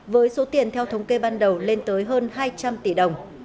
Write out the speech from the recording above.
với số tiền theo thống kê ban đầu lên tới hơn hai trăm linh tỷ đồng